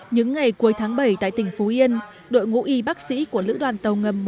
những ngày cuối tháng bảy tại tỉnh phú yên đội ngũ y bác sĩ của lữ đoàn tàu ngầm một trăm tám mươi chín